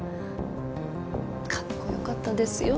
かっこよかったですよ